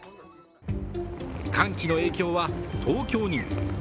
寒気の影響は東京にも。